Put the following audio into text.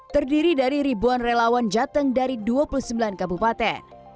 terdiri dari ribuan relawan jateng dari dua puluh sembilan kabupaten